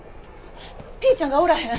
ピーちゃんがおらへん。